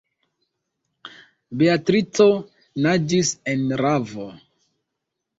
Beatrico naĝis en ravo.